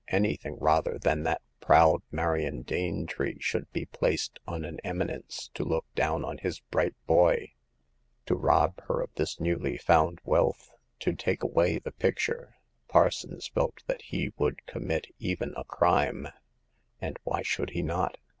— anything rather than that proud Marion Danetree should be The Fifth Customer. 149 placed on an eminence to look down on his bright boy. To rob her of this newly found wealth— to take away the picture — Parsons felt that he would commit even a crime. And why should he not